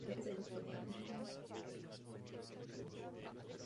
Diagnóza zněla nádor na mozku.